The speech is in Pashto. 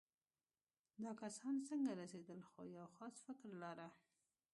دا کسان څنګه رسېدل یو خاص فکر لاره.